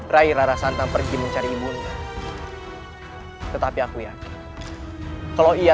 raimu rara santang pergi ke istana ini ibu saya sangat ingin menangkan dia